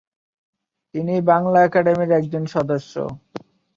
তিনি বাংলা একাডেমির একজন সদস্য।